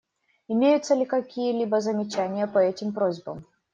Имеются ли какие-либо замечания по этим просьбам?